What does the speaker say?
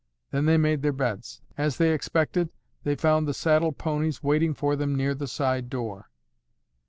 Then they made their beds. As they expected, they found the saddled ponies waiting for them near the side door.